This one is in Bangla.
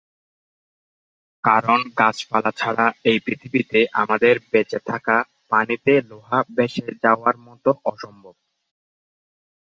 কারণ গাছপালা ছাড়া এই পৃথিবীতে আমাদের বেঁচে থাকা পানিতে লোহা ভেসে যাওয়ার মতো অসম্ভব।